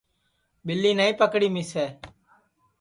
ٻیلی نائی پکڑی مِسے